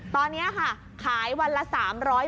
ตอนนี้ค่ะขายวันละ๓๐๐บาท